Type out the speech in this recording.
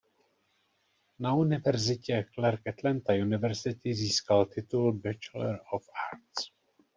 Na univerzitě Clark Atlanta University získal titul bachelor of arts.